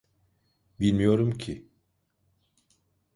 Bilmiyorum ki.